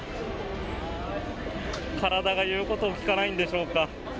体が、言うことを聞かないんでしょうか。